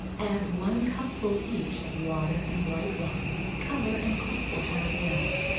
Add one cupful each of water and white wine, cover and [Page 141] cook for half an hour.